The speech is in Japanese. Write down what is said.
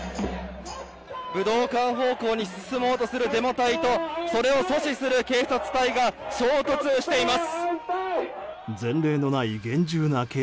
武道館方向に進もうとするデモ隊とそれを阻止する警察隊が午後１時５９分です。